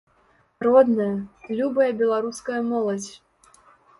Родная, любая беларуская моладзь!